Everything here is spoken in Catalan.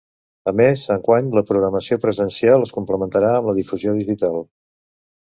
A més, enguany la programació presencial es complementarà amb la difusió digital.